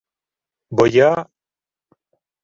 — Бо я...